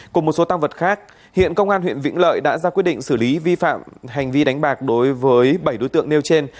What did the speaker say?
cùng một số tăng vật khác hiện công an huyện vĩnh lợi đã ra quyết định xử lý vi phạm hành vi đánh bạc đối với bảy đối tượng nêu trên